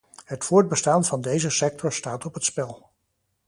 Het voortbestaan van deze sector staat op het spel.